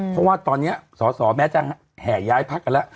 เพราะว่าตอนนี้สอสอแม้จะแห่ย้ายพักกันแล้ว